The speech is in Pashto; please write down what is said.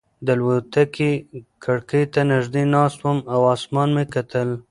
د الوتکې کړکۍ ته نږدې ناست وم او اسمان مې کتل.